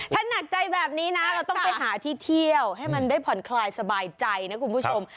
ถ้าหนักใจแบบนี้นะเราต้องไปหาที่เที่ยวให้มันได้ผ่อนคลายสบายใจนะคุณผู้ชม